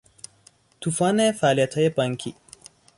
توفان فعالیتهای بانکی